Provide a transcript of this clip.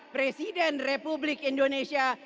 presiden republik indonesia